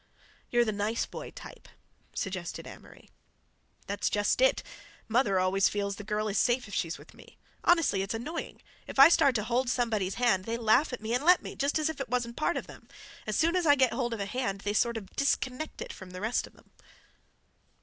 "You're the 'nice boy' type," suggested Amory. "That's just it. Mother always feels the girl is safe if she's with me. Honestly, it's annoying. If I start to hold somebody's hand, they laugh at me, and let me, just as if it wasn't part of them. As soon as I get hold of a hand they sort of disconnect it from the rest of them."